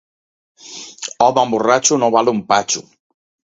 Home borratxo no val un patxo.